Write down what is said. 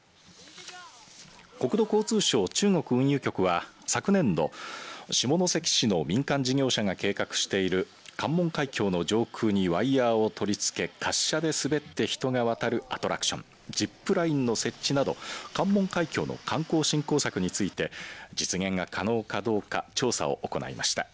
国土交通省中国運輸局は昨年度下関市の民間事業者が計画している関門海峡の上空にワイヤーを取り付け滑車で滑って人が渡るアトラクションジップラインの設置など関門海峡の観光振興策について実現が可能かどうか調査を行いました。